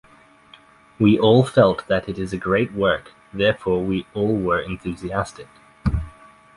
We all felt that it is a great work, therefore we all were enthusiastic.